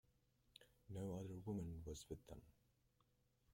No other woman was with them.